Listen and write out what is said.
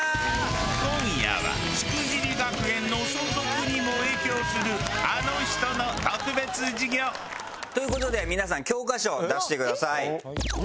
今夜はしくじり学園の存続にも影響するあの人の特別授業。という事で皆さん教科書を出してください。